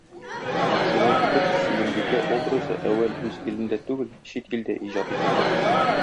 Шулай итеп, Сөембикә образы әүвәл үз илендә түгел, чит илдә иҗат ителде.